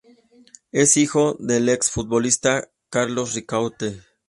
Es hijo del ex futbolista Carlos Ricaurte.